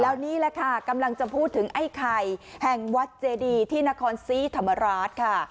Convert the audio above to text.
แล้วนี่แหละค่ะกำลังจะพูดถึงไอ้ไข่แห่งวัดเจดีที่นครศรีธรรมราชค่ะ